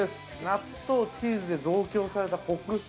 納豆・チーズで、増強されたコク。